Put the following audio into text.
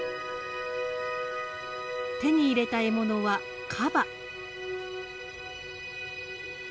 手に入れた獲物はカバ。